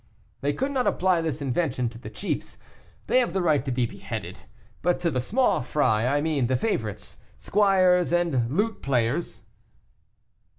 "They could not apply this invention to the chiefs; they have the right to be beheaded; but to the small fry, I mean the favorites, squires, and lute players."